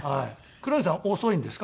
黒柳さん遅いんですか？